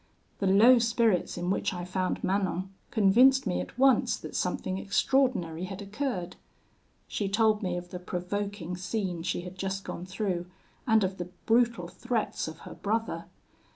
The low spirits in which I found Manon convinced me at once that something extraordinary had occurred. She told me of the provoking scene she had just gone through, and of the brutal threats of her brother.